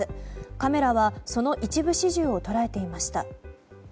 カメラはその一部始終を捉えていました。